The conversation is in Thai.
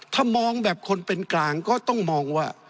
ถ้ามองแบบคนเป็นกลางก็ต้องมองว่า